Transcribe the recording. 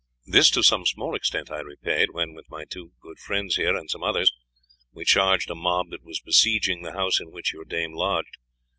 This to some small extent I repaid when, with my two good friends here and some others, we charged a mob that was besieging the house in which your dame lodged.